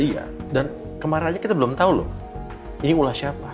iya dan kemarin aja kita belum tahu loh ini ulah siapa